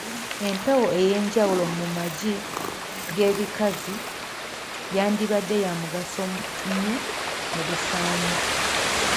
Empewo ey'enjawulo mu magi g’ebikazi yandibadde ya mugaso nnyo mu bisaanyi.